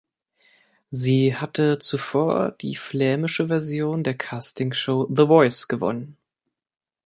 Sie hatte zuvor die flämische Version der Castingshow "The Voice" gewonnen.